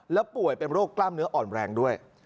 แล้วป่วยเป็นโรคกล้ามเนื้ออ่อนแรงด้วย